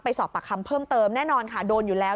สอบปากคำเพิ่มเติมแน่นอนค่ะโดนอยู่แล้ว